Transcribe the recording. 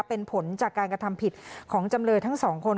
เป็นผลจากการกระทำผิดของจำเลยทั้งสองคน